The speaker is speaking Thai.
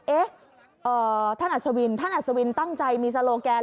เอ๊ะท่านอัศวินท่านอัศวินตั้งใจมีโซโลแกน